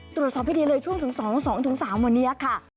ตรวจสอบให้ดีเลยช่วงถึง๒๒๓วันนี้ค่ะ